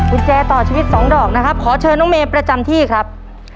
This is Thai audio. กุญแจต่อชีวิตสองดอกนะครับขอเชิญน้องเมย์ประจำที่ครับ